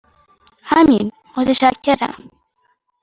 همین، متشکرم.